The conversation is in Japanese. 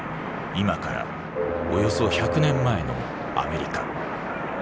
今からおよそ１００年前のアメリカ。